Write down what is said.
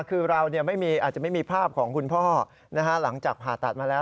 คือเราอาจจะไม่มีภาพของคุณพ่อหลังจากผ่าตัดมาแล้ว